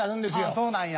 そうなんや。